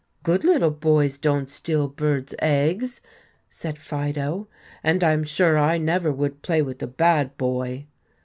"Good little boys don't steal birds' eggs," said Fido, "and I'm sure I never would play with a bad boy."